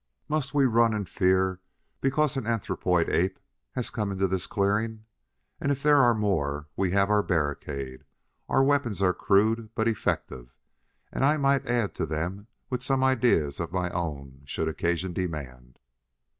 Must we run in fear because an anthropoid ape has come into this clearing? And, if there are more, we have our barricade; our weapons are crude, but effective, and I might add to them with some ideas of my own should occasion demand."